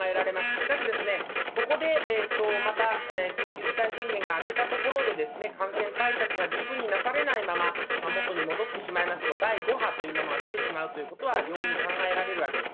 しかしですね、ここで、また緊急事態宣言が明けたところで、感染対策が十分になされないまま、元に戻ってしまいますと、第５波というものが来てしまうということは容易に考えられるわけです。